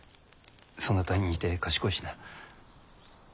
そなたに似て賢いしな。